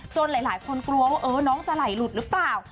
หลายคนกลัวว่าน้องจะไหลหลุดหรือเปล่า